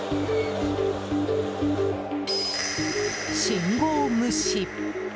信号無視。